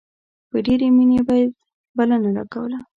په ډېرې مينې به يې بلنه راکوله.